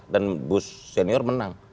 dan bush senior menang